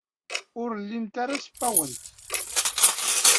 Ur llint ara ssewwayent.